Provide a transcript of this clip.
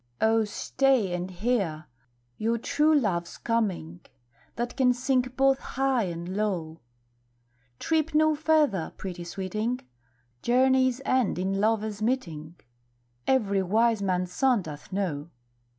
O, stay and hear! your true love's coming That can sing both high and low; Trip no further, pretty sweeting, Journeys end in lovers' meeting Every wise man's son doth know.